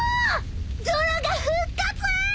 ゾロが復活！］